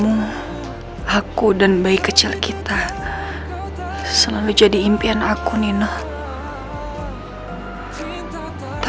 sekarang tidur dulu udah malem ya mau tidur ya